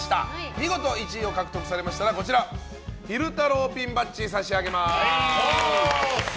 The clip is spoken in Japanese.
見事１位を獲得されましたら昼太郎ピンバッジを差し上げます。